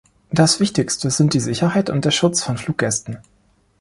Das wichtigste sind die Sicherheit und der Schutz von Fluggästen.